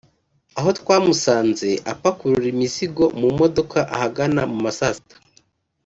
Aho twamusanze apakurura imizigo mu mudoka ahagana mu ma saa sita